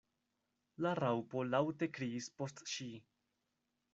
La Raŭpo laŭte kriis post ŝi.